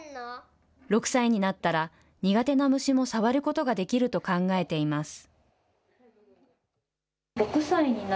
６歳になったら、苦手な虫も触ることができると考えています。